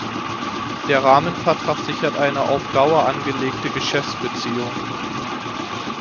Der Rahmenvertrag sichert eine auf Dauer angelegte Geschäftsbeziehung.